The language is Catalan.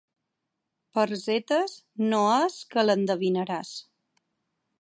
Per zetes no és que l'endevinaràs.